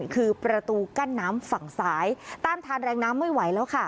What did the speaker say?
คือประตูกั้นน้ำฝั่งซ้ายต้านทานแรงน้ำไม่ไหวแล้วค่ะ